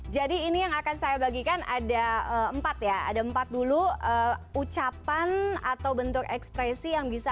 jadi ini yang akan saya bagikan ada empat ya ada empat dulu ucapan atau bentuk ekspresi yang bisa